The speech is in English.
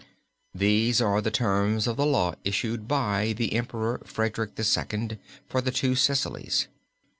These are the terms of the law issued by the Emperor Frederick II. for the Two Sicilies.